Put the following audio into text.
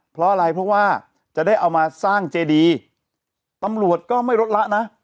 เพราะอะไรเพราะว่าจะได้เอามาสร้างเจดีตำรวจก็ไม่ลดละนะ